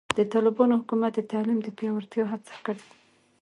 د طالبانو حکومت د تعلیم د پیاوړتیا هڅه کړې.